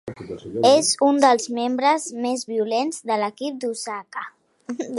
És un dels membres més violents de l'equip d'Osaka.